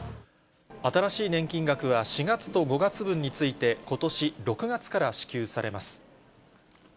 新しい年金額は４月と５月分について、ことし６月から支給されます。